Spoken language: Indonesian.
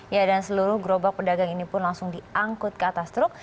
ya dan seluruh gerobak pedagang ini pun langsung diangkut ke atas truk